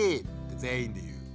全員で言う。